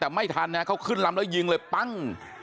แต่ไม่ทันนะเขาขึ้นลำแล้วยิงเลยปั้ง